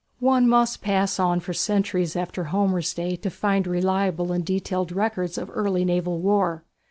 One must pass on for centuries after Homer's day to find reliable and detailed records of early naval war.